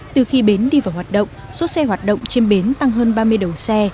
từ khi bến đi vào hoạt động số xe hoạt động trên bến tăng hơn ba mươi đầu xe